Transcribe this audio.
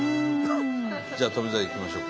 じゃあ富澤いきましょうか。